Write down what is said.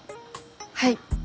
はい。